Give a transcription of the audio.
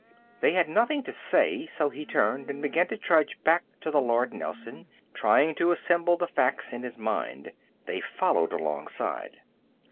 They had nothing to say, so he turned and began to trudge back to the Lord Nelson, trying to assemble the facts in his mind. They followed alongside.